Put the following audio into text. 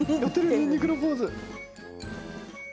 にんにくのポーズ！